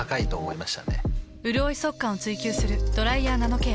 うるおい速乾を追求する「ドライヤーナノケア」。